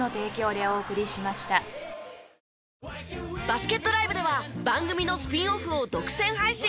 バスケットＬＩＶＥでは番組のスピンオフを独占配信。